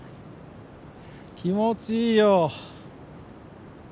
気持ちいいよ。